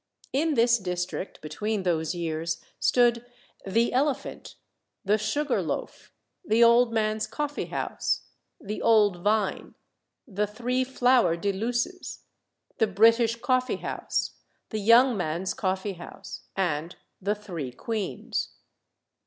In this district, between those years, stood "The Elephant," "The Sugarloaf," "The Old Man's Coffee house," "The Old Vine," "The Three Flower de Luces," "The British Coffee house," "The Young Man's Coffee house," and "The Three Queens."